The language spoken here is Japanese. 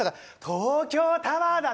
東京タワーだ。